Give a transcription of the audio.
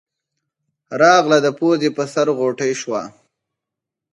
راغله د پوزې پۀ سر غوټۍ شوه